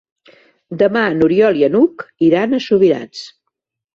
Demà n'Oriol i n'Hug iran a Subirats.